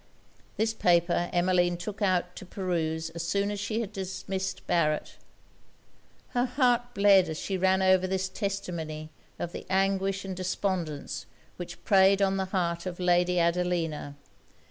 This paper Emmeline took out to peruse as soon as she had dismissed Barret. Her heart bled as she ran over this testimony of the anguish and despondence which preyed on the heart of Lady Adelina.